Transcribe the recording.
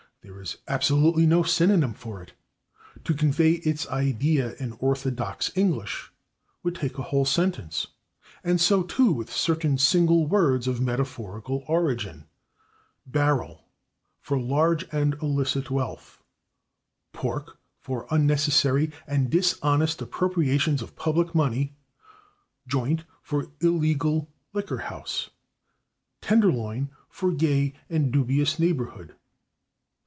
There is absolutely no synonym for it; to convey its idea in orthodox English would take a whole sentence. And so, too, with certain single words of metaphorical origin: /barrel/ for large and illicit wealth, /pork/ for unnecessary and dishonest appropriations of public money, /joint/ for illegal liquor house, /tenderloin/ for gay and dubious neighborhood.